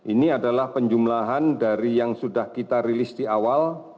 ini adalah penjumlahan dari yang sudah kita rilis di awal